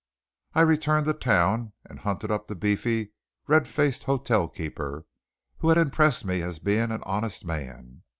I returned to town, and hunted up the beefy, red faced hotel keeper, who had impressed me as being an honest man.